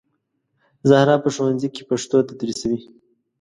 زهرا په ښوونځي کې پښتو تدریسوي